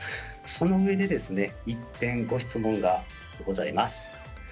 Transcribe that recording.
そのうえで１点ご質問がございます。